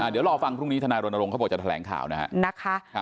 เดี๋ยวรอฟังพรุ่งนี้ทนายรณรงค์เขาบอกจะแถลงข่าวนะครับ